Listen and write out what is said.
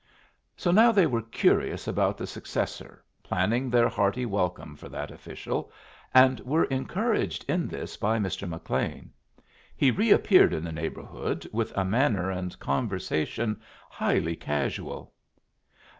So now they were curious about the successor, planning their hearty welcome for that official, and were encouraged in this by Mr. McLean. He reappeared in the neighborhood with a manner and conversation highly casual.